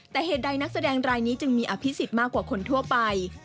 แต่เหตุใดนักแสดงรายนี้จึงมีอภิษฎมากกว่าคนทั่วไป